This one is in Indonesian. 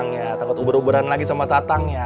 kenapa takut uber uberan lagi sama tatang ya